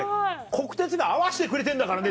国鉄が合わせてくれてんだからね